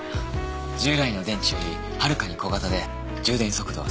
従来の電池よりはるかに小型で充電速度は３倍以上。